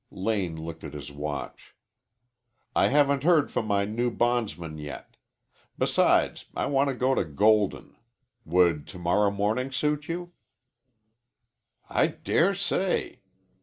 Lane looked at his watch. "I haven't heard from my new bondsmen yet. Besides, I want to go to Golden. Would to morrow morning suit you?" "I dare say."